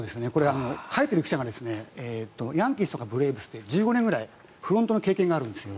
書いている記者がヤンキースとかブレーブスで１５年くらいフロントの経験があるんですよ。